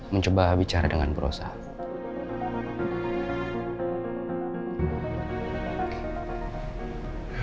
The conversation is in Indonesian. mencoba bicara dengan berusaha